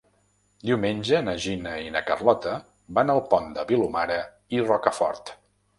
Diumenge na Gina i na Carlota van al Pont de Vilomara i Rocafort.